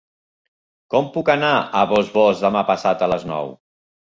Com puc anar a Bossòst demà passat a les nou?